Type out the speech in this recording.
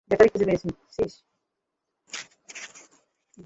Battery খুঁজে পেয়েছিস?